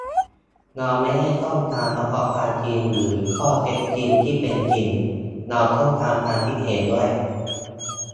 เราไม่ได้ต้องการเฉพาะความจริงหรือข้อเท็จจริงที่เป็นจริง เราต้องการความคิดเห็นด้วย